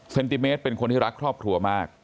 ติเมตรเป็นคนที่รักครอบครัวมาก